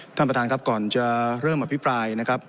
ท่านประธานครับก่อนจะเริ่มอภิปรายนะครับ